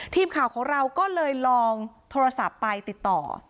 ทีมข่าวของเราก็เลยลองโทรศัพท์ไปติดต่อ